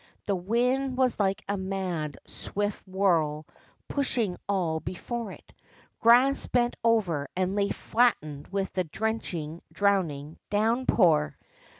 The wind was like a mad, swift whirl, pushing all before it. Grass bent over and lay flattened with the drenching, drown ing downpour.